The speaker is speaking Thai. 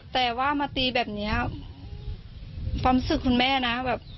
แต่ว่ามาตีแบบเนี้ยความรู้สึกคุณแม่นะแบบ